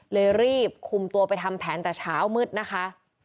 รีบคุมตัวไปทำแผนแต่เช้ามืดนะคะ